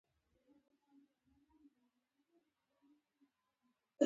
او دوی به بالاخره مالټا ته واستول شي.